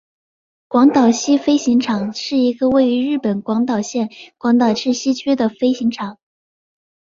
广岛西飞行场是一个位于日本广岛县广岛市西区的飞行场。